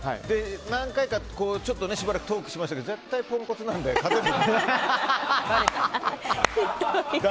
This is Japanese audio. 何回かトークしましたけど絶対ポンコツなので勝てる。